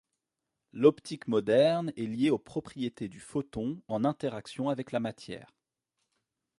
L'Optique Moderne est liée aux propriétés du photon en interaction avec la matière.